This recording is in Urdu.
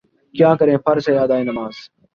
کیا کریں فرض ہے ادائے نماز